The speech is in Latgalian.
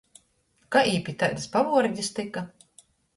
Kai jī pi taidys pavuordis tyka?